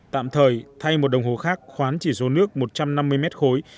tạm thời thay một đồng hồ khác khoán chỉ số nước một trăm năm mươi mét khối